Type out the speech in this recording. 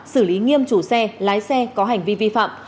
xử lý nghiêm chủ xe lái xe có hành vi vi phạm